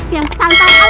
dan santai aku tutup kau